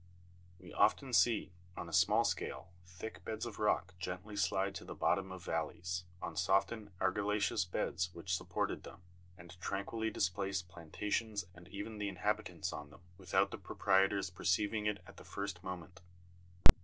We often see, on a small scale, thick beds of rock gently slide to the bottom of valleys, on softened argilla'ceous beds which supported them, and tranquilly displace plantations and even the inhabitants on them, without the proprietors perceiving it at the first moment.